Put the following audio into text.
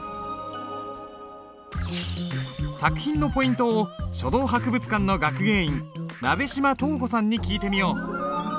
作品のポイントを書道博物館の学芸員鍋島稲子さんに聞いてみよう。